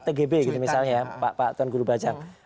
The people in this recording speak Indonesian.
tgb gitu misalnya pak tuan guru bajang